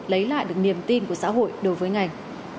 lấy lại được niềm tin của xã hội đối với ngành